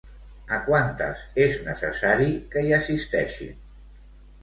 A quantes és necessari que hi assisteixin?